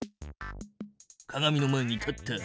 鏡の前に立った。